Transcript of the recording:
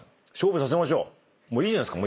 もういいじゃないですか。